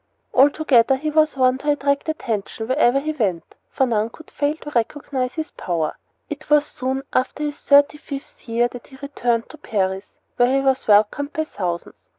Altogether, he was one to attract attention wherever he went, for none could fail to recognize his power. It was soon after his thirty fifth year that he returned to Paris, where he was welcomed by thousands.